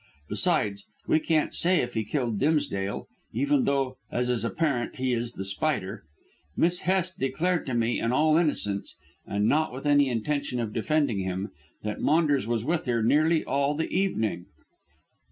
Besides, we can't say if he killed Dimsdale, even though, as is apparent, he is The Spider. Miss Hest declared to me in all innocence, and not with any intention of defending him, that Maunders was with her nearly all the evening."